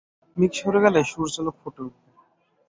মেঘ সরে গেলেই সূর্যালোক ফুটে উঠবে।